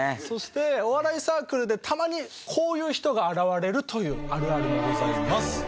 そしてお笑いサークルでたまにこういう人が現れるというあるあるもございます。